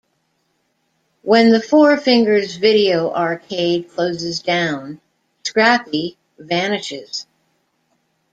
When the Four Fingers Video Arcade closes down, Scrappy vanishes.